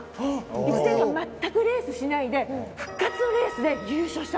１年間まったくレースしないで復活のレースで優勝したの。